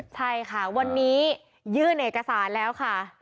ใช่ค่ะวันนี้ยื่นเอกสารแล้วค่ะ